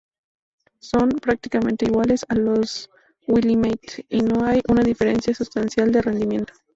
Son, prácticamente, iguales a los Willamette y no hay una diferencia sustancial de rendimiento.